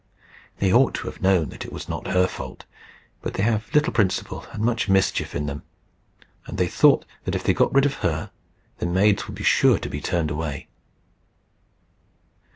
They ought to have known that it was not her fault, but they have little principle and much mischief in them, and they thought that if they got rid of her the maids would be sure to be turned away.